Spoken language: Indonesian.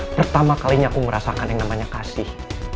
pertama kalinya aku merasakan yang namanya kasih